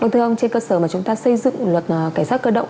trên cơ sở mà chúng ta xây dựng luật cảnh sát cơ động